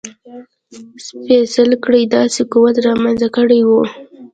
سپېڅلې کړۍ داسې قوت رامنځته کړی و.